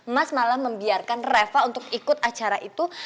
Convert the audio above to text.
mas malah membiarkan reva untuk ikut acara itu